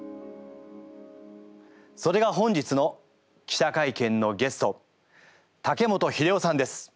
それが本日の記者会見のゲスト竹本秀雄さんです。